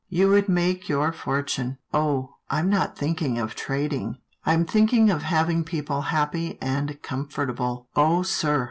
You would make your fortune." " Oh ! I'm not thinking of trading. I'm think 64 'TILDA JANE'S ORPHANS ing of having people happy and comfortable. Oh,, sir!